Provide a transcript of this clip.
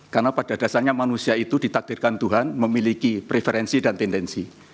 karena pada dasarnya manusia itu ditakdirkan tuhan memiliki preferensi dan tendensi